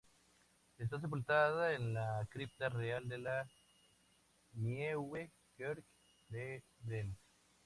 Está sepultada en la cripta real de la "Nieuwe Kerk" de Delft.